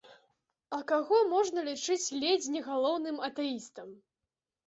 А каго можна лічыць ледзь не галоўным атэістам?